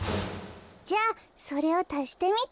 じゃあそれをたしてみて。